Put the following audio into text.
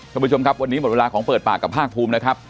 คุณผู้ชมครับวันนี้หมดเวลาของเปิดปากกับภาคภูมินะครับ